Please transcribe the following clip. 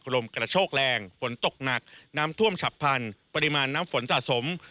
ลมกระโชกแรงฝนตกหนักน้ำท่วมฉับพันธุ์ปริมาณน้ำฝนสะสม